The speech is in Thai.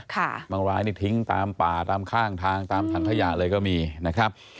บางรายนี่ทิ้งตามป่าตามข้างทางตามถังขยะเลยก็มีนะครับ